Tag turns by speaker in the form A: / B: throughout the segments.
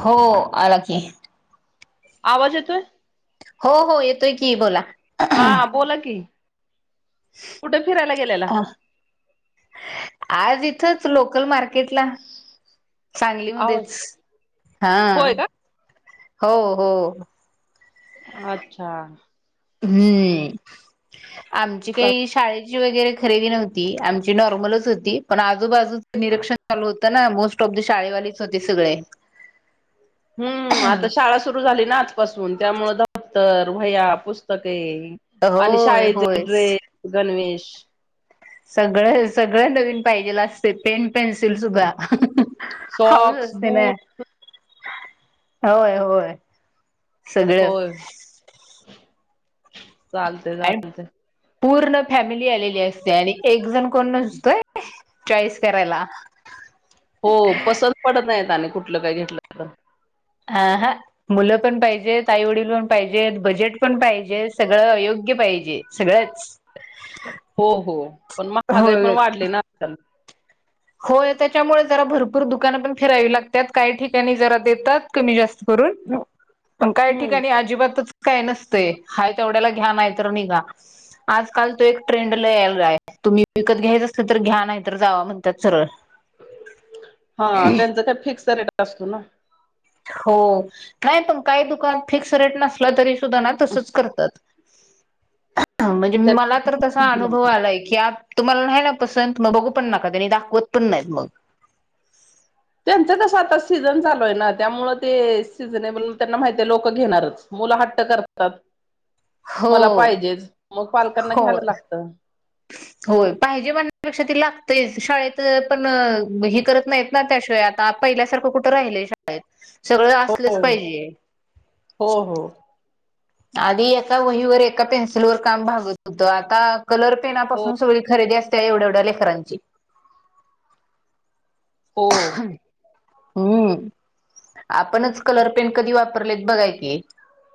A: हो. मालाखी.
B: आवाज येतोय.
A: हो हो येतोय की बोला.
B: हा बोला की. कुठे फिरायला गेलेला?
A: आज इथंच लोक कल मार्केटला.
B: आवाज
A: सांगलीमध्येच हा...
B: होय का?
A: हो. हो.
B: अच्छा.
A: हम्म आमची काही शाळेची वगैरे खरेदी नव्हती आमची नॉर्मलच होती पण आजूबाजूच निरीक्षण चालू होत ना मोस्ट ऑफ द शाळेवालीच होते सगळे.
B: हम्म आता शाळा सुरू झाली. न आजपासून, त्यामुळे दपतर, वह्या, पुस्तके. आणि
A: होय होय
B: शाळेचे ड्रेस गणवेश. रिकामा ऑडिओ
A: सगळं सगळं नवीन पाहिजेल असते पेन. पेन्सिल सुद्धा हऊस
B: सॉक्स,
A: असते ना.
B: बूट
A: होय होय. सगळं
B: होय. चालते.
A: आणि
B: [unintelligible]
A: पूर्ण फॅमिली आलेली असते आणि एक जण कोण नसतोय चॉईस करायला.
B: हो पसंत पडत नाहीत आनी कुठं. कुटल काय घेतलं?
A: हा हा मुलं पण पाहिजेत. आई वडील पण पाहिजेत. बजेट पण पाहिजे. सगळं अयोग्य पाहिजे सगळंच..
B: हो हो पण मग महागाई पण वाढली ना, आजकाल.
A: हो त्याच्यामुळे जरा भरपूर दुकानं पण फिरावी लागतात काही ठिकाणी जरा देतात कमी जास्त करून पण काय
B: हम्म
A: ठिकाणी अजिबातच काय नसते हा तेवढ्याला घ्या नाही तर निघा आजकाल तो एक ट्रेंडला यायलाय तुम्ही विकत घ्यायचं अस तर घ्या नाही तर जावा म्हण [unintelligible]
B: हा त्यांच काय फिक्स रेट जास्त ना
A: हो नाही पण काही दुकान फिक्स रेट नसलं तरी सुधना तसच करतात म्हणजे मला तर तसा
B: त्या
A: अनुभव आलाय की आज तुम्हाला नाही ना पसंत मग बघू पण नाका त्यांनी दाखवत पण नाही मग
B: त्यांचं त सात सीझन चाल आहे ना त्यामुळे ते सीझनेबल त्यांना माहितीे लोक घेणारच मुलं हट्ट करतात
A: हो
B: मला पाहिजेच मग पालकांना
A: हो
B: घ्यायला लागत
A: होय पाहिजे म्हणण्यापेक्षा ती लागते शाळेत पण हे करत नाहीत ना त्याशिवाय आता पहिल्यासारखं कुठं राहिलय शाळेत सगळं
B: हो
A: असलंच
B: हो
A: पाहिजे
B: हो
A: आधी एका वहीवर एका पेन्सिल वर काम भागत होत आता कलर पेना
B: हो
A: पाासून सगळी खरेदी असते त्या एवढ्या एवढ्या लेकरांची
B: हो
A: हम्म आपणच कलर पेन कधी वापरलेत बघाय की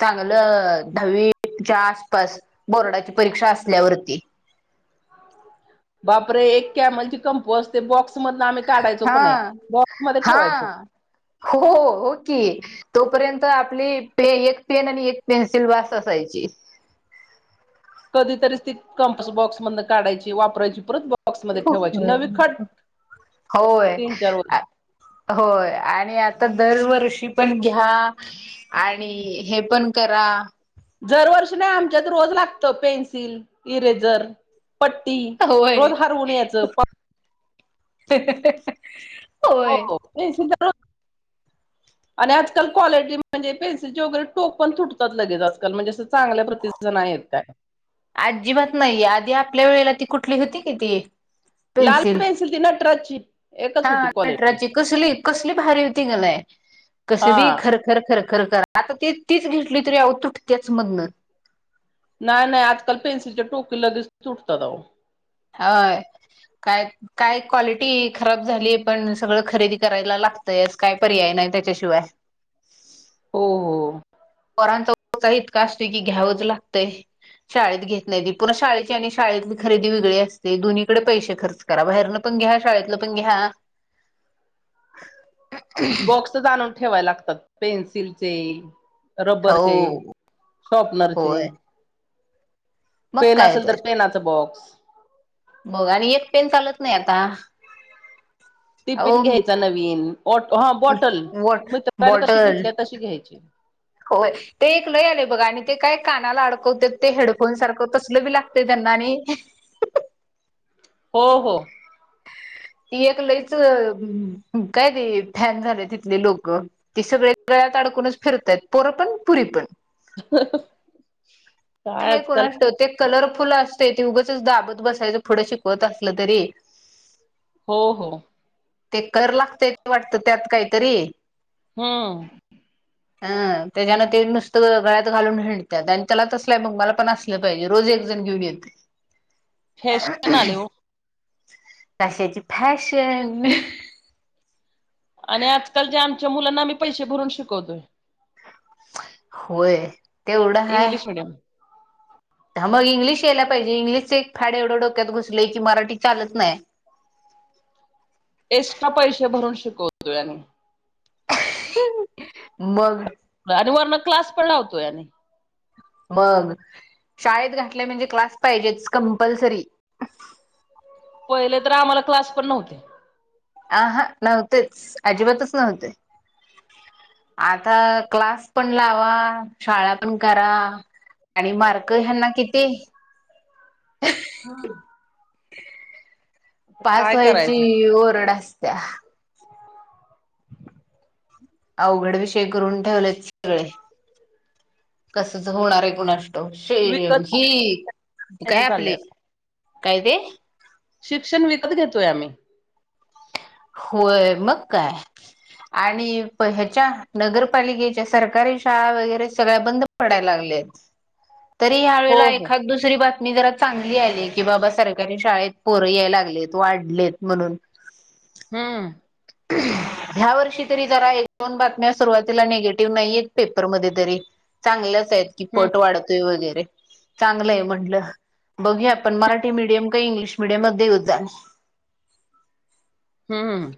A: चांग चांगलं दहावीच्या आसपास बोर्डाची परीक्षा असल्यावरती
B: बापरे एक कॅमलचे कमपो असते बॉक्स मधन आम्ही काढायचो पण आहे
A: हा-हा
B: बॉक्समध्ये ठेवायचो
A: हो-हो की तोपर्यंत आपली एक पेन आणि एक पेन्सिल वास असायची
B: कंपास बॉक्स मध काढायची वापरायची परत ब
A: होय
B: तीन चार वर्ष
A: होय आणि आ आता दरवर्षी पण घ्या आणि हे पण करा
B: दरवर्षी नाही आमच्यात रोज लागत पेन्सिल इरेझर पट्टी रोज हरवून यायचं प
A: हं हं हं हं
B: हो हो [unintelligible] आणि आजकाल क्वालिटी म्हणजे पेन्सिलचे वगैरे टोक पण तुटतात लगेच आजकाल म्हणजे असं चांगल्या प्रतिसान आहेत काय
A: आजीबात नाहीये आधी आपल्या वेळेला ती कुठली होती कि ती
B: लाल
A: पेन्सिल
B: ती नटराजची एकच
A: हा
B: होती क्वालिटी
A: नटराजची कसली कसली भारी होती मलाय कस बी
B: हा.
A: खरखर खरख खरं खर आता ते तीच घेतली तरी अवं तुट त्याच मधनं
B: नाही नाही आजकाल पेनसिलच्या टोकी लगेच तुटतात आओ
A: हय काय काय क्वालिटी खराब झाली पण सगळं खरेदी करायला लागतयच काय पर्याय नाही त्याच्याशिवाय
B: हो हो.
A: पोरांची खर्च इतका असतो की घ्यावच लागतं शाळेत घेत नाहीती पुन्हा शाळेची आणि शाळेतली खरेदी वेगळी असते दोन्हीकडे पैसे खर्च करा बाहेरन पण घ्या शाळेतलं पण घ्या
B: बॉक्सच आणून ठेवाय लागतात पेन्सिलचे रबरचे
A: हो
B: शॉर्पनरचे
A: होय मग
B: पेन असेल तर पेनाच बॉक्स
A: बघ आणि एक पेन चालत नाही आता
B: टिफिन
A: अहो
B: घ्यायचा नवीन बॉट हा बॉटल
A: वॉट
B: मित्रांने कशी
A: बॉटल
B: घेतली तशी घ्यायची
A: होय ते एक लय आले बघा आणि ते काय कानाला अडकवते ते हेडफोन सारखं तसल बी लागते त्यांना आणि
B: हो हो
A: ती एक लईच काय ते फॅन झाले तिथले लोक तेी सगळे गळ्यात अडकूनच फिरताय पोरं पण पुरी पण
B: हं हं ह्हं
A: आहे कोणास्टोक ते कलर फुलं असते ते उगंच दाबत बसायचं पुुढं शिकवत असलं तरी
B: हो हो
A: ते कर लागतय ते वाटत त्यात काहीतरी
B: हमं
A: अं त्याच्यान ते नुसतं गळ्यात घालून हिंडतात त्याला तसल मग मला पण असलं पाहिजे रोज एकजण घेऊन येते
B: फॅशन आले ओ
A: कश्याची फॅशन
B: आणि आजकाल जे आमचे मुलांना मी पैसे भरून शिकवतोय
A: होय तेवढं हाय
B: इंग्लिश मीडियम
A: मग इंग्लिश यायला पाहिजे इंग्लिशच एक फाड एवढं डोक्यात घुसले की मराठी चालत नाही
B: एक्स्ट्रा पैसे भरून शिकवतो्या
A: मग
B: आणि वरण क्लास पण लावतो याने
A: बघ शाळेत घातले म्हणजे क्लास पाहिजे कंपल्सरी
B: पहिले तर आम्हाला क्लास पण नव्हते
A: अ हा नव्हतेच अजिबातच नव्हते आता क्लास पण लावा शाळा पण करा आणि मार्क ह्यांना किती
B: हा
A: [inaudible] पास व्हायची
B: करायचं
A: ओरड अस त्या अवघड विषय करून ठेवलेत सगळे कसच होणार आहे गुणा े
B: विकत
A: ही
B: घ्यायचं
A: काय
B: चाललंय
A: आपले काय ते
B: शिक्षण विकत घेतोय आम्ही
A: होय मग काय आणि ह्याच्या नगरपालिकेच्या सरकारी शाळा वगैरे सगळ्या बंद पडायला लागल्या आहेत तरी या्या
B: हो
A: वेळेला
B: हो
A: एखाद दुसरी बातमी मी जरा चांगली आले की बाबा सरकारी शाळेत पर याय लागलेत वाढलेत म्हणून
B: हां
A: ह्या वर्षी तरी जरा एक दो बातम्या सुरवातीला निगेटिव्ह नाहीयेत पेपरमध्ये तरी चांगल्याच की
B: हम्म
A: पट वाढतोय वगैरे ते चांगलं आहे म्हटलं बघू आपण मराठी मिडियम का इंग्लिश मडिया मध्ये यद् जा
B: हम्म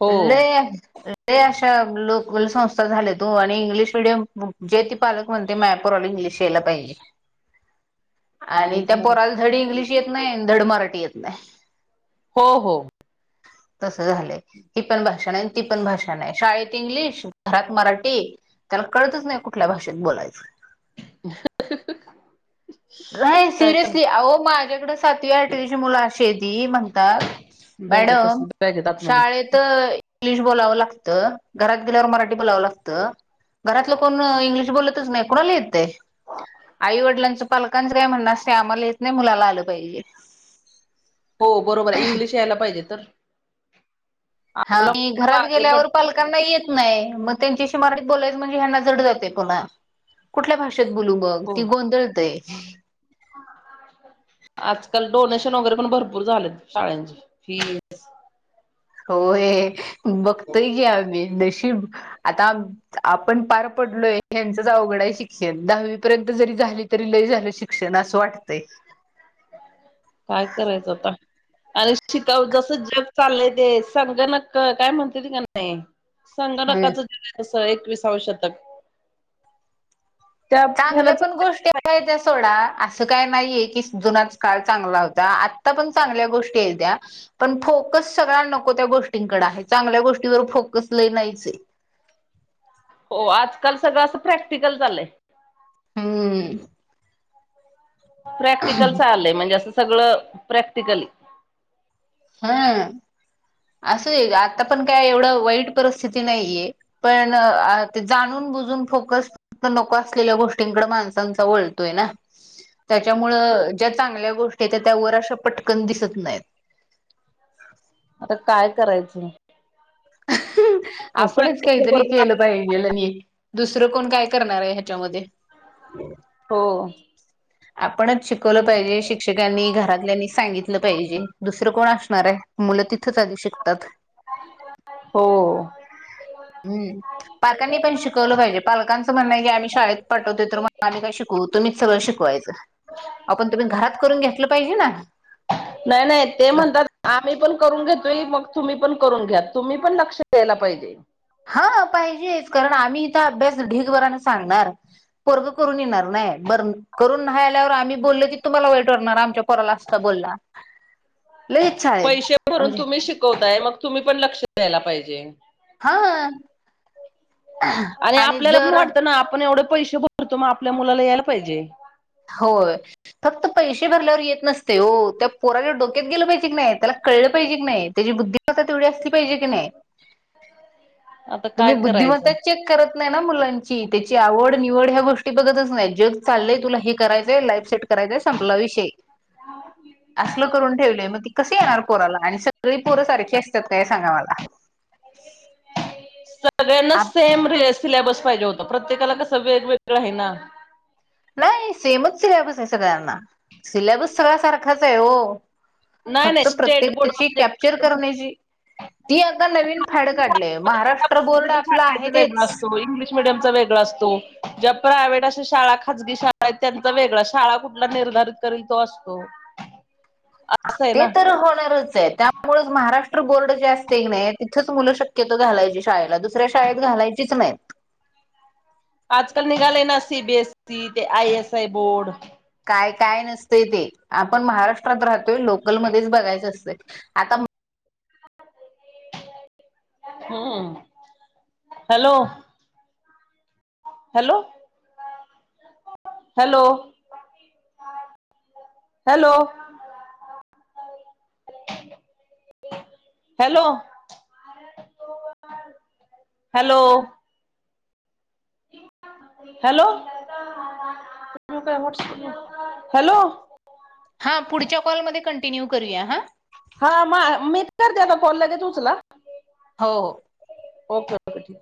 B: हो
A: लागायचे ते अशा लोक संस्था झाल्या तू आणि इंग्लिश मिीडियम जे ते पालक म्हणते मयपोरला इंग्लिश यायला पाहिजे आणि त्या
B: आमच्या
A: पोराला
B: मराठी
A: धड इंग्लिश येत नाही धड मराठी येत नाही वी
B: हो हो
A: तस झालंय ह पण बर ती पण भाष आहे शाेत इंगलिश भरात मराठी त्याला कळतच नाही कुठल्या भाषेत बोलायचं नाही
B: काय कर
A: सिरयसली आगज सातवी -आठवीची मुलं आहेत. ते म्हणतात-
B: बॅग येतस बॅग येत आतमध्येध्ये [inaudible]
A: तर [unintelligible] इंग्लिश बोलावं लागतं, घरात गेल्यावर मराठी बोलावं लागतं, घरातलं कोण इंग्लिश बोलतच नाही. कुणाला येतंय? आईवडलांच, पालकांच अस म्हणणं आम्हाला येत नाही. मुलांना आलं पाहिजे.
B: हो, बरोबर आहे. इंग्लिश यायला पाहिजे तर?
A: हा,
B: आपला
A: मी घरात
B: मागे
A: गेल्यावर,
B: पडतो.
A: पालकांना येत- नाही, मग त्यांच्याशी मराठीत बोलायच म्हणजे, ह्याना जड जातंय बोलाया. कुठल्या भाषेत- बू बघ ती
B: हो
A: गोंधळते [unintelligible]
B: आजकाल डोनेशन वगैरे पण भरपूर झाले शाळची फीस
A: होय. बघतय घ्या आम्ही [unintelligible] आता आपण पार पडलोय, ह्यांचच अवघड आहे. शिक्षण दहावी पर्यंत जरी झाली, तरी लय झालं, शिक्षण अस वाटतंय.
B: काय करायचं आता आणि शिकाव जस जग चाललंय ते संांग नक्क काय म्हणते त का नाही [inaudible] संगटकाच जग अस [unintelligible] एकविसवशतक [inaudible]
A: चांगले पण गोष्टी आहेत त्या [unintelligible] तोडा, अस काय नाहीये की, जुनाच काळ चांगला होता. आत्ता पण चांगल्या हे त्या, पण फोकस सगळा नको त्या गोष्टीकडे आहेत. चांगल्या गोष्टीवर फोकस ल नाहीयचे [unintelligible]
B: काल सगळं असं प्रॅक्टिकल झालंय.
A: हम्म.
B: प्रॅक्टिकल चालंलय म्हणजे? अस- सगळं प्रॅक्टिकली-
A: हा- अस हे, आत्ता पण काय एवढं वाईट परिस्थिती नाहिये, पण जाणून-बुझून फोकस तो नको असलेल्या गोष्टी कडे माणसांचा वळतोय ना, त्याच्यामुळे ज्या चांगल्या गोष्टी हे त्या वर अशा पटकन दिसत नाहीत.
B: आता काय करायचं?
A: ह [unintelligible] आपणच काहीतरी केलं
B: बरोबर
A: पाहिजेलं नाही [unintelligible] दुसरं कोण काय करणार आहे ह्याच्यामध्ये [unintelligible]
B: हो.
A: आपणच शिक- शिकवलं पाहीजे. शिक्षकांनी, घरातल्यांनी सांगितलं पाहिजे. दुसर कोण- मु त [unintelligible] चालू शिकतात
B: हो
A: [unintelligible] हम्म पालकांनी पण शिकवलं पाहिजे पालकां असं म्हण की आ्ही शाेत पाठवते तर मगम्ही का शिकू तुमच सगळं शिकवायं आपण तुम्ही घरात करून घेतलं पाहिजे ना
B: नाही नाही ते म्हणतात आम्ही पण करून घेतो मग तुम्ही पण करून घ्या तुम्ही पण लक्ष द्यायला पाहिजे
A: हा पाहिजेच कारण आम्ही इथ अभ्यास ढीगभराने सांगणार पर्ग [unintelligible] करून येणार नाही बर करून नाही आल्यावर आम्ही बोलल कि तुम्हाला वाईट वरणार आमच्या पोराला असता बोलला लगेच शाळेत
B: पैसे भरून
A: आमच्या
B: तुम्ही शिकवताय मग तुम्ही पण लक्ष द्यायला पाहिजे जे
A: हा
B: आणि आपल्याला पण वाटतं ना आपण एवढं पैसे भरतो मग आपल्या मुलाला यायला पाहिजे
A: होय फक्त. पैसे भरल्यावर येत नसते हो त्या पोराच्या डोक्यात गेलं पाहिजे की, नाही तेला कळलं पाहिजे की नाही तेची बुद्धिमत्ता तेवढी असती. पाहिजे की, नाही
B: आता काय
A: तुम्ही बुद्धिमत्ता
B: करायचं
A: चेक करत नाही ना, मुलांची तेची आवड निवड ह्या गोष्टी बघतच नाही, जग चाललंय तुला हे करायचंय लाईप. सेट करायचं आहे, संपला विषय! असलं करून ठेवलेय, मग ती कशी येणार पोराला? आणि सगळी पोरं सारखी असतात काय? सांगा मला!
B: सगळ्यांना सेम रिले सिलेबस पाहिजे होता. प्रत्येकाला कसं वेगवेगळं आहे ना.
A: नाही, सेमच सिलेबस आहे. सगळ्यांना, सिलेबस सगळा सारखाच आहे. हो!
B: नाही नाही
A: फक्त प्रत्येकाची कॅप्चर करण्याची. ती आता नवीन फॅड काढले महाराष्ट्र बोर्ड
B: [unintelligible]
A: आपलं
B: शा
A: आहे
B: वेग
A: तेच
B: असतो इंग्लिश मिडियम वेगळ असतो, ज प्रायव्ट अ शा खाजगी शाळा आहेत, त्यांचा वेगळ शाळा कुठला निर्धारित करल तो असतो. असं आहे
A: ते
B: ना
A: तर होणारच आहे, त्यामुळेच महाराष्ट्र. बोर्ड जे असते की, नाही तिथच मुलं शक्यत घालायची शाळेला दुसऱ्या शाळेत घालायचीच नाही.
B: आजकल निघाले ना सी बीएसई ते आयएस आय बोर्ड.
A: काय काय नसते ते आपण महाराष्ट्रात राहतोय लोकल मध्येच बघायचं असत आता.
B: हम hello. Hello hello hello. Hello hello. Hello hello.
A: हा पुढच्या कॉलमध्ये कं टिन्यू करूया हा.
B: हा म मीच करते आता कॉल लगेच उचला.
A: हो.
B: ओके ओके ठीक.